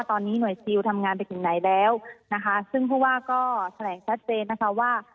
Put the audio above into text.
ตอนนี้หน่วยซิลทำงานไปถึงไหนแล้วนะคะซึ่งผู้ว่าก็แถลงชัดเจนนะคะว่า